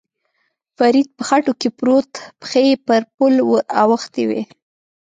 فرید په خټو کې پروت، پښې یې پر پل ور اوښتې وې.